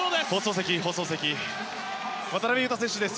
放送席渡邊雄太選手です。